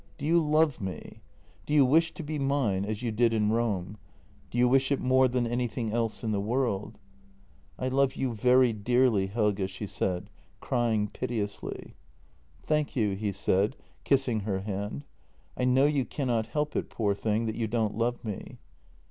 Do you love me ? Do you wish to be mine — as you did in Rome ? Do you wish it more than anything else in the world ?"" I love you very dearly, Helge," she said, crying piteously. " Thank you," he said, kissing her hand. " I know you cannot help it, poor darling, that you don't love me."